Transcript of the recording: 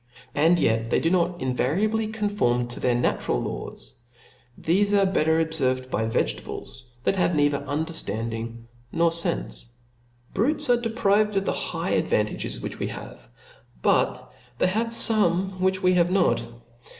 And yet they do not invariably con form to their natural laws; thefe are better ob fervcd by vegetables, that have neither underftand ing nor fenfc. Brutes are deprived of the high ad vantages. which we have ; but they have fome which we have not.